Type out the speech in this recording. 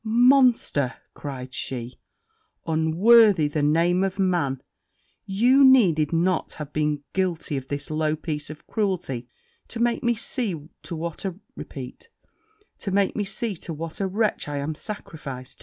'Monster!' cried she, 'unworthy the name man; you needed not have been guilty of this low piece of cruelty, to make me see to what a wretch I am sacrificed.'